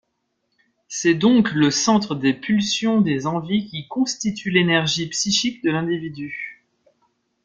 C'est donc le centre des pulsions, des envies qui constituent l'énergie psychique de l'individu.